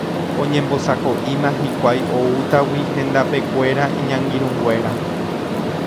oñembosako'íma hikuái oútagui hendapekuéra iñangirũnguéra